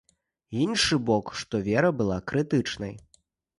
Іншы бок, што вера была крытычнай.